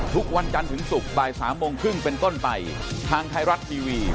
สวัสดีครับ